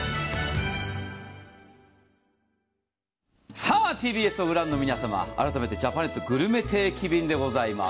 さあＴＢＳを御覧の皆さん、改めてジャパネットグルメ定期便でございます。